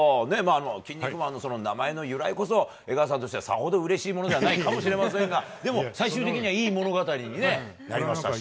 キン肉マンの名前の由来ほど江川さんとしてはさほどうれしいものではないかもしれませんがでも、最終的にはいい物語になりましたし。